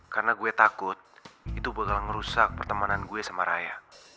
karena gue takut itu bakal ngerusak pertemanan gue sama raya